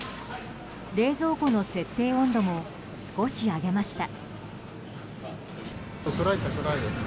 冷蔵庫の設定温度も少し上げました。